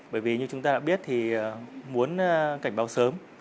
bởi vì như chúng ta đã biết thì muốn cảnh báo sớm